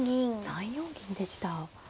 ３四銀でした。